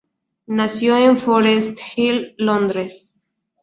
Nació en Forest Hill, Londres.